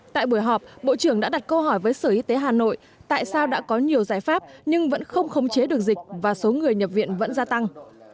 tại buổi họp bộ trưởng đã đặt câu hỏi với sở y tế hà nội tại sao đã có nhiều giải pháp nhưng vẫn không khống chế được dịch và số người nhập viện vẫn gia tăng